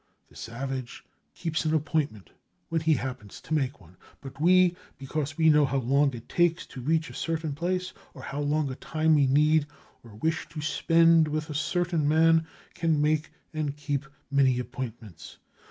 The savage keeps an appointment—when he happens to make one. But we, because we know how long it takes to reach a certain place, or how long a time we need or wish to spend with a certain man, can make and keep many appointments.